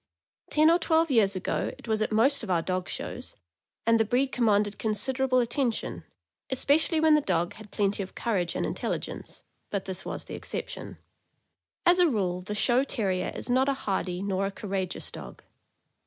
Ten or twelve years ago it was at most of our dog 28 f433) 434 THE AMERICAN BOOK OF THE DOG. shows, and the breed commanded considerable attention, especially when the dog had plenty of courage and intelligence; but this was the exception. As a rule, the show Terrier is not a hardy nor a courageous dog.